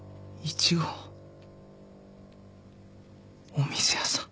お店屋さん。